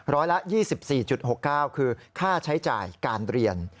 ร้อยละ๒๔๖๙คือค่าใช้จ่ายการเรียน